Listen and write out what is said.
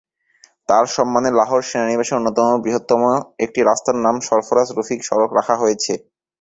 তার সম্মানে লাহোর সেনানিবাসের অন্যতম বৃহত্তম একটি রাস্তার নাম সরফরাজ রফিক সড়ক রাখা হয়েছে।